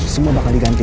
semua bakal diganti